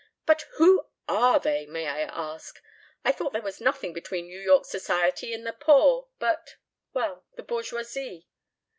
But who are they, may I ask? I thought there was nothing between New York Society and the poor but well, the bourgeoisie."